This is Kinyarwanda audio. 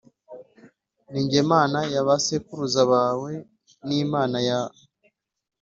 Ni jye Mana ya ba sekuruza bawe n Imana ya